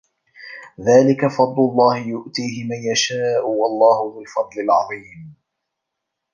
ذلِكَ فَضلُ اللَّهِ يُؤتيهِ مَن يَشاءُ وَاللَّهُ ذُو الفَضلِ العَظيمِ